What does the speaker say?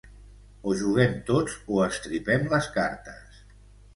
O juguem tots o estripem les cartes.